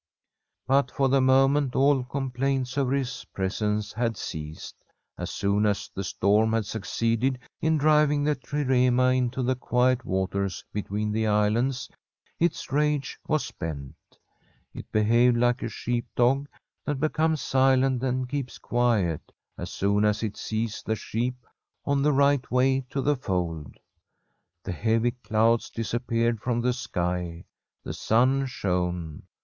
But for the moment all complaints over his presence had ceased. As soon as the storm had succeeded in driving the trirema into the quiet waters between the islands, its rage was spent. It behaved like a sheep dog that becomes silent and keeps quiet as soon as it sees the sheep on the right way to the fold. The heavy clouds disap peared from the sky ; the sun shone.